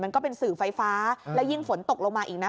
ก็เป็นสื่อไฟฟ้าแล้วยิ่งฝนตกลงมาอีกนะ